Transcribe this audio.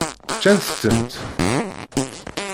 Ččant-tent?